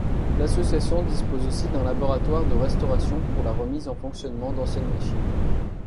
L'association dispose aussi d'un laboratoire de restauration pour la remise en fonctionnement d'anciennes machines.